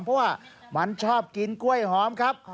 เพราะว่ามันชอบกินกล้วยหอมครับ